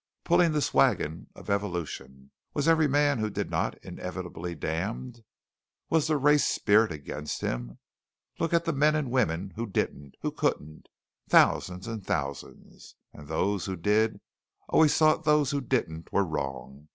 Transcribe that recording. Pulling this wagon of evolution! Was every man who did not inevitably damned? Was the race spirit against him? Look at the men and women who didn't who couldn't. Thousands and thousands. And those who did always thought those who didn't were wrong.